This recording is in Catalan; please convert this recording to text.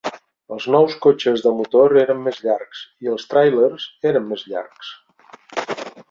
Els nous cotxes de motor eren més llargs i els tràilers eren més llargs.